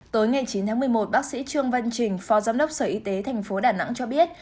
tối ngày chín một mươi một bác sĩ trương văn trình phó giám đốc sở y tế thành phố đà nẵng cho biết